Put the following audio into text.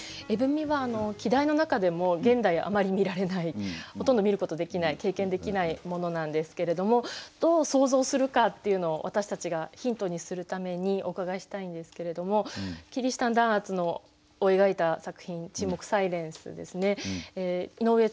「絵踏」は季題の中でも現代あまり見られないほとんど見ることできない経験できないものなんですけれどもどう想像するかっていうのを私たちがヒントにするためにお伺いしたいんですけれどもキリシタン弾圧を描いた作品「沈黙−サイレンス−」ですね。井上